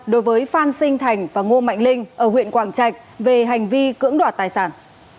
đối với phan sinh thành và ngô mạnh linh ở huyện quảng trạch về hành vi cưỡng đoạt tài sản